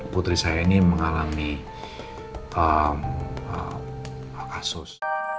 putri saya ini mengalami kasus